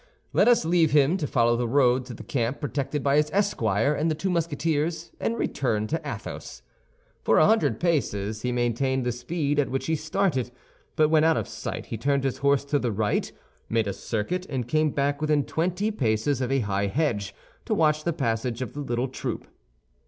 Let us leave him to follow the road to the camp protected by his esquire and the two Musketeers, and return to Athos. For a hundred paces he maintained the speed at which he started; but when out of sight he turned his horse to the right, made a circuit, and came back within twenty paces of a high hedge to watch the passage of the little troop.